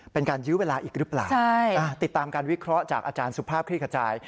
ยื้อเวลาอีกหรือเปล่าติดตามการวิเคราะห์จากอาจารย์สุภาพคลี่ขจาย